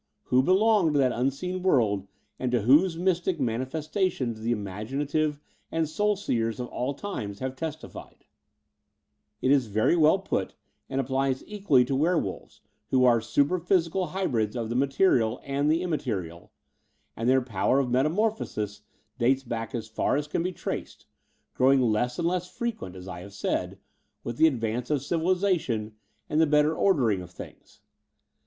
. who belong to that unseen world to whose mystic manifestations the imaginative and soul seers of all times have testified/ It is very well put and applies equally to werewolves, who are super physical hybrids of the material and the imma terial: and their power of metamorphosis dates back as far as can be traced, growing less and less frequent, as I have said, with the advance of civil ization and the better ordering of things.